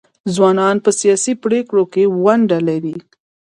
ځوانان په سیاسي پریکړو کې ونډه لري.